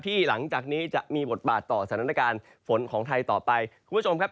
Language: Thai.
หลังจากนี้จะมีบทบาทต่อสถานการณ์ฝนของไทยต่อไปคุณผู้ชมครับ